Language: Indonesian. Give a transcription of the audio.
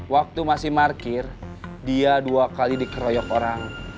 waktu masih markir dia dua kali dikeroyok orang